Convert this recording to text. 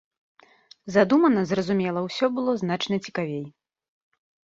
Задумана, зразумела, усё было значна цікавей.